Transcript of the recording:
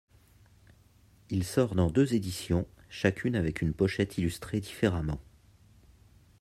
Il sort dans deux éditions, chacune avec une pochette illustrée différemment.